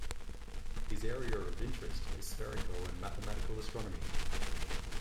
His area of interest is spherical and mathematical astronomy.